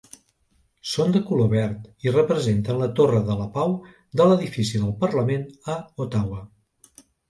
Són de color verd i representen la torre de la Pau de l'edifici del Parlament a Ottawa.